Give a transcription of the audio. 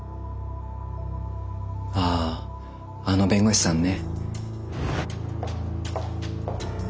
あああの弁護士さんね。